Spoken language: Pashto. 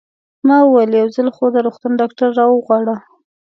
ما وویل: یو ځل خو د روغتون ډاکټر را وغواړه.